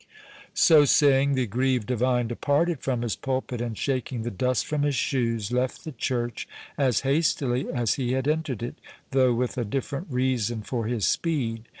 So saying, the aggrieved divine departed from his pulpit, and shaking the dust from his shoes, left the church as hastily as he had entered it, though with a different reason for his speed.